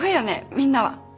みんなは。